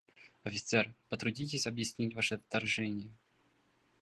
Офицер, потрудитесь объяснить ваше вторжение.